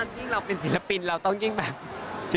ยิ่งเราเป็นศิลปินเราต้องยิ่งแบบ